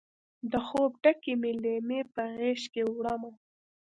د خوب ډکې مې لیمې په غیږکې وړمه